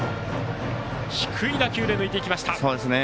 低い打球で抜いていきました。